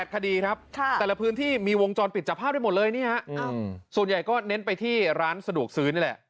คดีครับแต่ละพื้นที่มีวงจรปิดจับภาพได้หมดเลยนี่ฮะส่วนใหญ่ก็เน้นไปที่ร้านสะดวกซื้อนี่แหละ